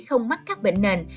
không mắc các bệnh nền